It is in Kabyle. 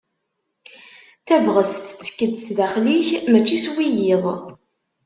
Tabɣest tettek-d s daxel-ik mačči s wiyiḍ.